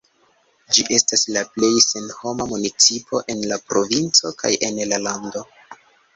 Ĝi estas la plej senhoma municipo en la provinco kaj en la lando.